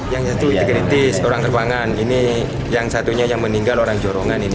yang satu itu kritis orang terbangan ini yang satunya yang meninggal orang jorongan ini